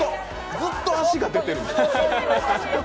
ずっと足が出てる。